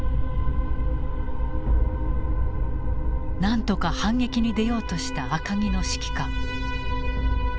なんとか反撃に出ようとした赤城の指揮官。